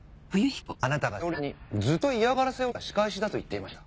あなたが栞さんにずっと嫌がらせをしていた仕返しだと言っていました。